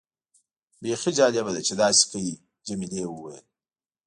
بیخي جالبه ده چې داسې کوي. جميلې وويل:.